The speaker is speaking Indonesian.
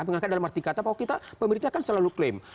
mengangkat dalam arti kata pemerintah kan selalu klaim